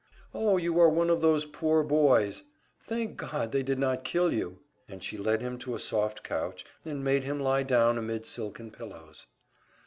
"Oh, you are one of those poor boys! Thank God they did not kill you!" And she led him to a soft couch and made him lie down amid silken pillows.